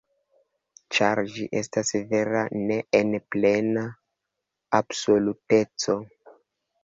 Ĉar ĝi estas vera ne en plena absoluteco.